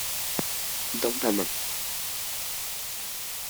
Dans ta main.